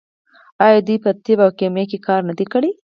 آیا دوی په طب او کیمیا کې کار نه دی کړی؟